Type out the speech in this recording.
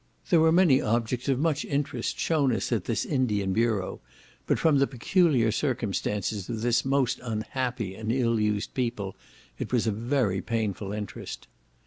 There were many objects of much interest shewn us at this Indian bureau; but, from the peculiar circumstances of this most unhappy and ill used people, it was a very painful interest.